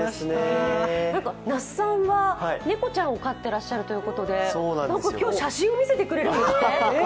那須さんは、猫ちゃんを飼ってらっしゃるということで今日、写真を見せてくれるんですって？